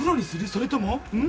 それともん？